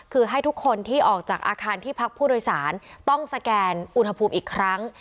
คือให้ทุกคนที่ออกจากอาคารที่พักผู้โดยสารต้องสแกนอุณหภูมิอีกครั้ง